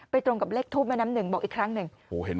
ตรงกับเลขทูปแม่น้ำหนึ่งบอกอีกครั้งหนึ่ง